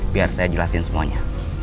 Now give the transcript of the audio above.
biar saya jelasin semuanya